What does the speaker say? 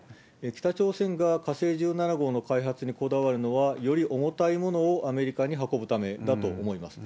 北朝鮮が火星１７号の開発にこだわるのは、より重たいものをアメリカに運ぶだめだと思います。